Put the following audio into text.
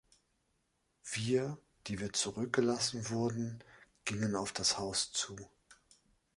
Wir, die wir zurückgelassen wurden, gingen auf das Haus zu.